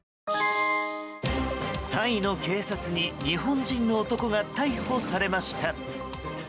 タイの警察に日本人の男が逮捕されました。